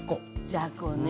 じゃこね。